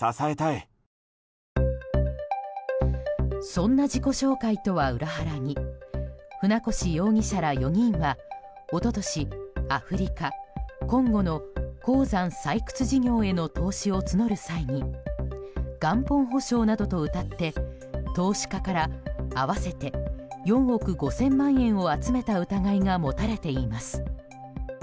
そんな自己紹介とは裏腹に船越容疑者ら４人は一昨年、アフリカ・コンゴの鉱山採掘事業への投資を募る際に元本保証などとうたって投資家から合わせて４億５０００万円を集めた疑いが持たれています。